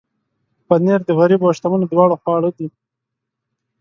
پنېر د غریبو او شتمنو دواړو خواړه دي.